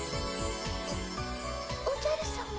おおじゃるさま。